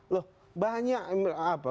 loh banyak apa